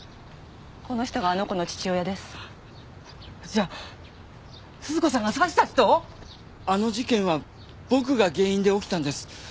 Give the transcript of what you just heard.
この人があの子の父親ですじゃあ鈴子さんが刺した人⁉あの事件は僕が原因で起きたんです